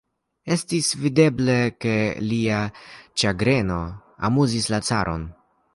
Estis videble, ke lia ĉagreno amuzis la caron.